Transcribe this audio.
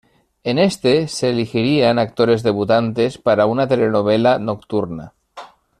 En este, se elegirían actores debutantes para una telenovela nocturna.